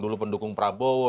dulu pendukung prabowo